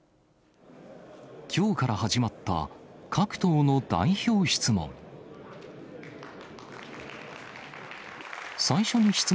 きょうから始まった各党の代表質問。